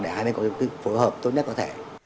để hai bên có những phương án phối hợp tốt nhất có thể